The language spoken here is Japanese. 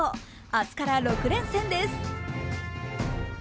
明日から６連戦です。